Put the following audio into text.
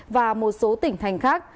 và một số tỉnh thành khác